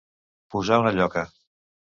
Posar una lloca.